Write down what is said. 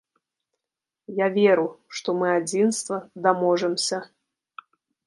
Я веру, што мы адзінства даможамся.